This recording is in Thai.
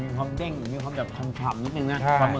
มีความแจ้งมีความแจ้งอีกนิดนึงนะใช่ปลาหมึกอ่ะ